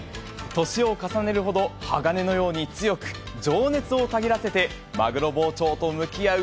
年を重ねるほど、鋼のように強く、情熱をたぎらせてマグロ包丁と向き合う